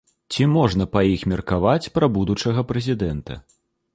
Ці можна па іх меркаваць пра будучага прэзідэнта?